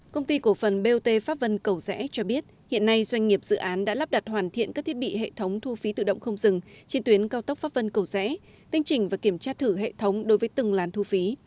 công ty cổ phần bot pháp vân cầu rẽ cho biết hiện nay doanh nghiệp dự án đã lắp đặt hoàn thiện các thiết bị hệ thống thu phí tự động không dừng trên tuyến cao tốc pháp vân cầu rẽ tinh trình và kiểm tra thử hệ thống đối với từng làn thu phí